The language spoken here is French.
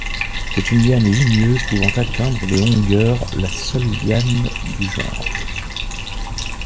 C'est une liane ligneuse pouvant atteindre de longueur, la seule liane du genre.